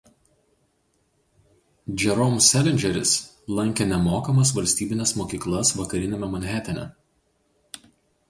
Jerome Salingeris lankė nemokamas valstybines mokyklas vakariniame Manhatane.